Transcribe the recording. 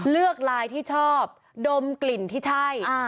เลือกลายที่ชอบดมกลิ่นที่ใช่